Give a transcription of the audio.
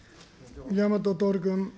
宮本徹君。